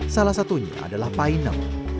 salah satunya adalah pai neng